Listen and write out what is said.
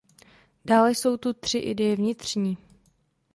Dále jsou tu ideje vnitřní.